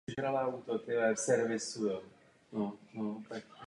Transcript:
Obdržela také ocenění "Nejlepší nový umělec" od Mad Video Music Awards.